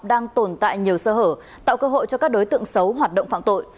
đang tồn tại nhiều sơ hở tạo cơ hội cho các đối tượng xấu hoạt động phạm tội